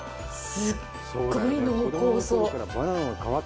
すっごい濃厚そう。